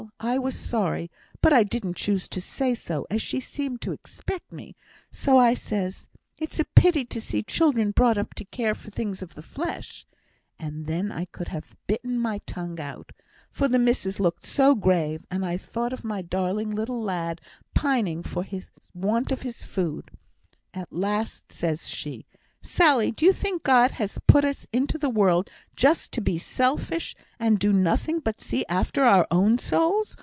I was sorry, but I didn't choose to say so, as she seemed to expect me; so says I, 'It's a pity to see children brought up to care for things of the flesh;' and then I could have bitten my tongue out, for the missus looked so grave, and I thought of my darling little lad pining for want of his food. At last, says she, 'Sally, do you think God has put us into the world just to be selfish, and do nothing but see after our own souls?